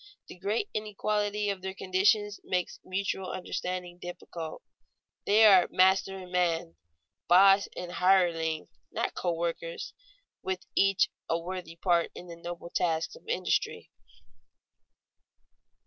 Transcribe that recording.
The great inequality of their condition makes mutual understanding difficult. They are master and man, "boss" and hireling, not co workers, each with a worthy part in the noble tasks of industry.